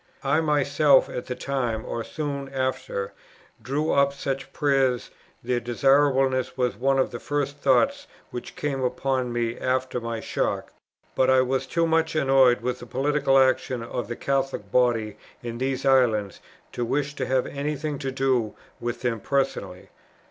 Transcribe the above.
I myself, at that time, or soon after, drew up such prayers; their desirableness was one of the first thoughts which came upon me after my shock; but I was too much annoyed with the political action of the Catholic body in these islands to wish to have any thing to do with them personally.